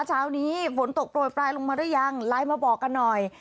เช้านี้ฝนตกโปรยปลายลงมาหรือยังไลน์มาบอกกันหน่อย